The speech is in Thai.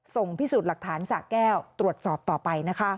ส่งพิสูจน์หลักฐานสะแก้วตรวจสอบต่อไปนะคะ